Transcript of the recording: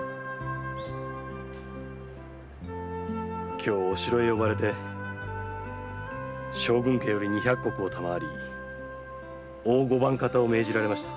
今日お城へ呼ばれて将軍家より二百石を賜り大御番方を命じられました。